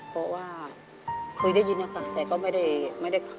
เพราะว่าเคยได้ยินนะคะแต่ก็ไม่ได้